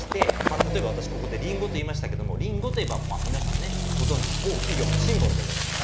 例えば私ここで「りんご」と言いましたけどもりんごといえば皆さんご存じ某企業のシンボルでございます。